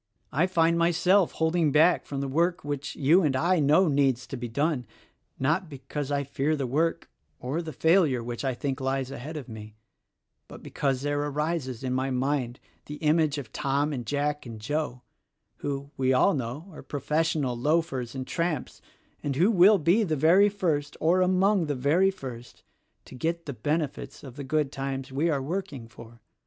I find myself holding back from the work which you and I know needs to be done, not because I fear the work or the failure which I think lies ahead of me; — but because there arises in my mind the image of Tom and Jack and Joe, who, we all know, are professional loafers and tramps and who will be the very first or among the very first to get the benefits of the good times we are working for.